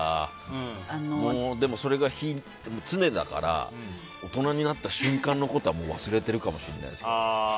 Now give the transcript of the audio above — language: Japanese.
でも、それが常だから大人になった瞬間のことはもう忘れてるかもしれないです。